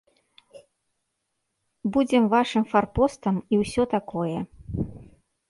Будзем вашым фарпостам і ўсё такое.